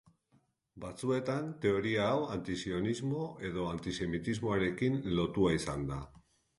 Batzuetan teoria hau anti-sionismo edo antisemitismoarekin lotua izan da.